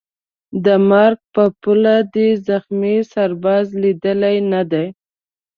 د مرګ پر پوله دي زخمي سرباز لیدلی نه دی